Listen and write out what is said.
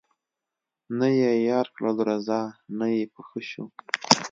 نه یې یار کړلو رضا نه یې په ښه شو